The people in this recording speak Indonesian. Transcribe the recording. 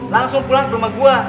langsung pulang ke rumah gue